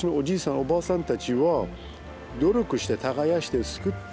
おばあさんたちは努力して耕して作った。